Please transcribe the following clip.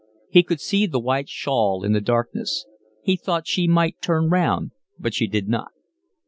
He could see the white shawl in the darkness. He thought she might turn round, but she did not.